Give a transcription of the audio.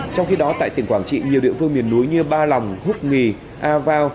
trong khi đó tại tỉnh quảng trị nhiều địa phương miền núi như ba lòng húc nghì a vào